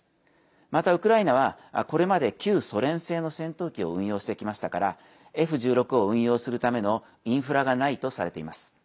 またウクライナは、これまで旧ソ連製の戦闘機を運用してきましたからＦ１６を運用するためのインフラがないとされています。